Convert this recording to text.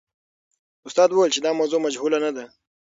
استاد وویل چې دا موضوع مجهوله نه ده.